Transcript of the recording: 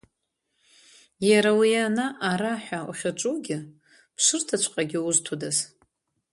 Иара уи ана-араҳәа уахьаҿугьы, ԥшырҭаҵәҟьагьы узҭодаз…